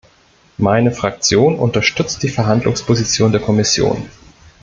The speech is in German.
Meine Fraktion unterstützt die Verhandlungsposition der Kommission.